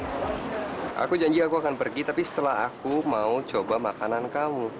aku janji aku akan pergi tapi setelah aku mau coba makanan kamu